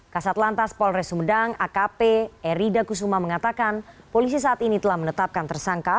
kasat lantas polres sumedang akp erida kusuma mengatakan polisi saat ini telah menetapkan tersangka